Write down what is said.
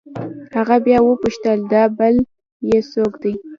هغه بيا وپوښتل دا بل يې سوک دې.